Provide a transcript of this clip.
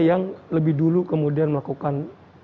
yang lebih dulu kemudian melakukan